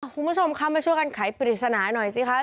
คุณผู้ชมคะมาช่วยกันไขปริศนาหน่อยสิคะ